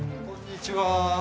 こんにちは。